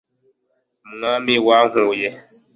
umwami wankuye